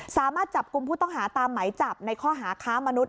สามารถจับกลุ่มผู้ต้องหาตามไหมจับในข้อหาค้ามนุษย